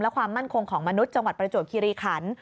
และความมั่นคงของมนุษย์จังหวัดประจวบคิริขัน